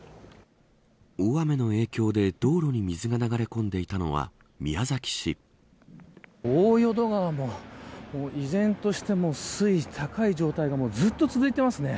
大雨の影響で道路に水が流れ込んでいたのは大淀川も依然として水位が高い状態がずっと続いていますね。